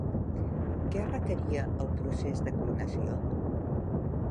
Què requeria el procés de clonació?